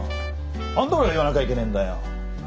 何で俺が言わなきゃいけねえんだよ。